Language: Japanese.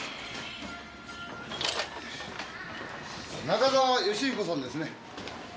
中澤良彦さんですね。